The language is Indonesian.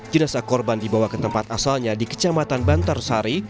jenis korban dibawa ke tempat asalnya di kecamatan bantarsari